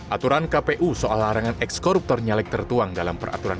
aturan kpu soal larangan ekskoruptor nyalek tertuang dalam peraturan